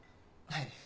はい。